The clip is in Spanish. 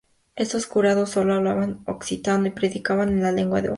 Estos curados sólo hablaban occitano y predicaban en la lengua de oc.